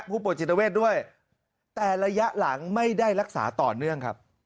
ผู้ป่วยจิตเวทด้วยแต่ระยะหลังไม่ได้รักษาต่อเนื่องครับ